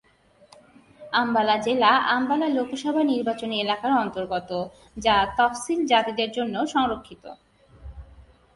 আম্বালা জেলা আম্বালা লোকসভা নির্বাচনী এলাকার অন্তর্গত, যা তফসিলি জাতিদের জন্য সংরক্ষিত।